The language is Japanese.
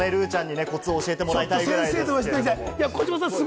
ぜひルーちゃんにコツを教えてもらいたいですね。